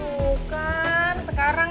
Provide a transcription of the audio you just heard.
oh kan sekarang